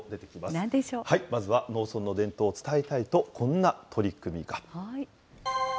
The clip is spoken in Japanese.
まずは農村の伝統を伝えたいと、こんな取り組みが。